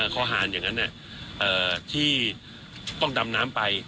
คอหานอย่างนั้นเนี่ยที่ต้องดำน้ำไป